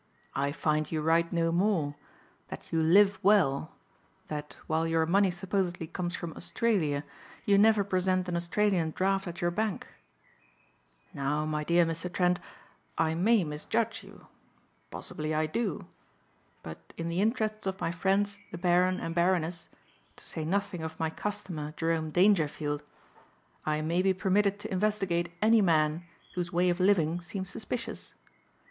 I find you write no more; that you live well; that while your money supposedly comes from Australia you never present an Australian draft at your bank. Now, my dear Mr. Trent, I may misjudge you. Possibly I do. But in the interests of my friends the Baron and Baroness, to say nothing of my customer Jerome Dangerfield, I may be permitted to investigate any man whose way of living seems suspicious.